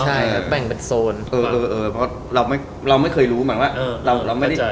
ใช่แบ่งเป็นโซนเออเพราะเราไม่เคยรู้หมายความว่าเราไม่ได้